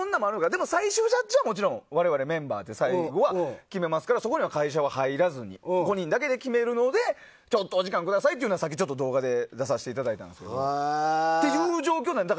でも最終ジャッジはもちろん我々メンバーで最後は、決めるのでそこには会社は入らずに５人だけで決めるのでちょっとお時間くださいっていうのは動画で出させていただいて。という状況なんです。